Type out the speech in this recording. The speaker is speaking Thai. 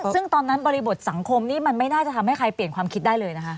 ซึ่งตอนนั้นบริบทสังคมนี้มันไม่น่าจะทำให้ใครเปลี่ยนความคิดได้เลยนะคะ